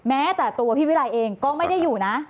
แม้แต่ตัวพี่วิรัยเองก็ไม่ได้อยู่นะ